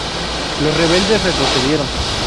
Los rebeldes retrocedieron.